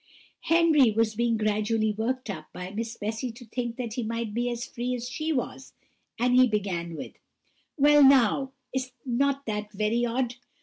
Henry was being gradually worked up by Miss Bessy to think that he might be as free as she was; and he began with, "Well now, is not that very odd?"